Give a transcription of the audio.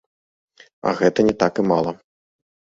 А гэта не так і мала.